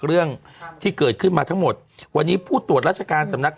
เรื่องที่เกิดขึ้นมาทั้งหมดวันนี้ผู้ตรวจราชการสำนัก